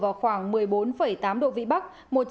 ở khoảng một mươi bốn tám độ vĩ bắc